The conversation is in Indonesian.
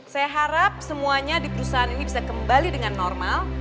saya harap semuanya di perusahaan ini bisa kembali dengan normal